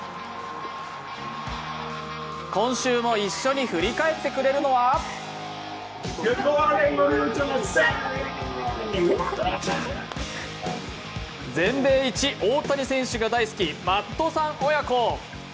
今週も一緒に振り返ってくれるのは全米いち大谷選手が大好き、マットさん親子。